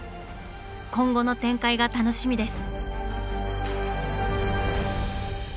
今後の展開が楽しみです。